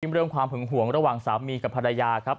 เรื่องความหึงห่วงระหว่างสามีกับภรรยาครับ